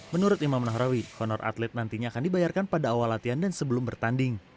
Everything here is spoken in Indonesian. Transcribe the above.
menurut imam nahrawi honor atlet nantinya akan dibayarkan pada awal latihan dan sebelum bertanding